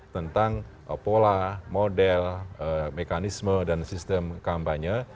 tentang pola model mekanisme dan sistem kampanye